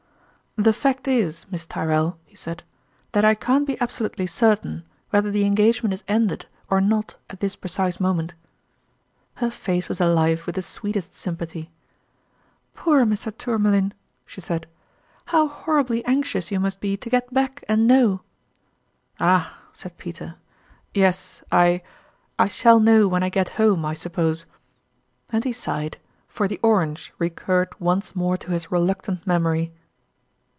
"The fact is, Miss Tyrrell," he said, "that I can't be absolutely certain whether the en gagement is ended or not at this precise mo ment." Her face was alive with the sweetest sympa thy. "Poor Mr. Tourmalin!" she said, "how horribly anxious you must be to get back and know !" "Ah!" said Peter, "yes, I I shall know when I get home, I suppose." And he sighed; for the orange recurred once more to his reluctant memory.